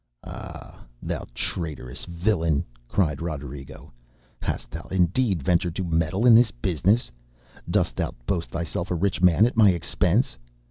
ŌĆ£Ah! thou traitorous villain! ŌĆØ cried Roderigo, ŌĆ£hast thou, indeed, ventured to meddle in this business? Dost thou boast thyself a rich man at my expense?